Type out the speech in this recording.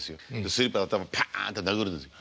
スリッパで頭パンって殴るんですよ。